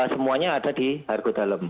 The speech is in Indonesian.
semuanya ada di hargo dalam